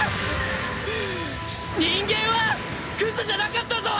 人間はクズじゃなかったぞ！